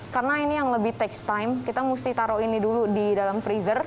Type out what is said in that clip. karena ini yang lebih takes time kita mesti taruh ini dulu di dalam freezer